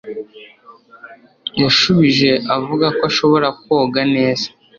Yashubije avuga ko ashobora koga neza